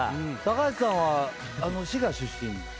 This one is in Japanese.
橋さんは滋賀出身？